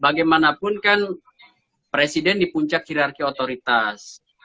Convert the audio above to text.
bagaimanapun kan presiden di puncak hirarki otoritas